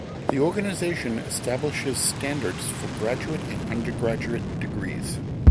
The organization establishes standards for graduate and undergraduate degrees.